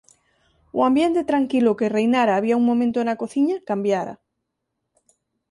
O ambiente tranquilo que reinara había un momento na cociña cambiara.